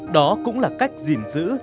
đó cũng là cách gìn giữ